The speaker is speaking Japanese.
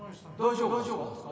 大丈夫ですか？